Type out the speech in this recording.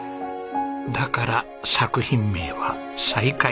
だから作品名は「再会」。